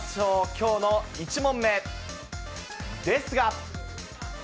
きょうの１問目。ですが。